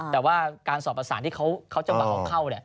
แต่ว่าการสอบประสานที่เขาจังหวะเขาเข้า